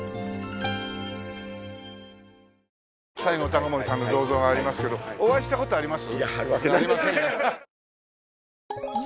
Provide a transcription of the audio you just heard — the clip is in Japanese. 西郷隆盛さんの銅像ありますけどお会いした事あります？